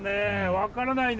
分からないね